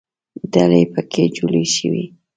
ډلې پکې جوړې شوې.